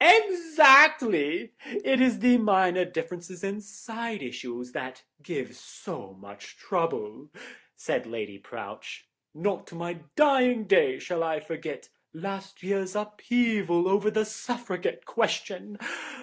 "Exactly. It is the minor differences and side issues that give so much trouble," said Lady Prowche; "not to my dying day shall I forget last year's upheaval over the Suffragette question.